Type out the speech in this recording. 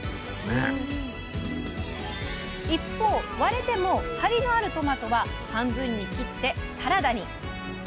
一方、割れても張りのあるトマトは半分に切ってサラダに。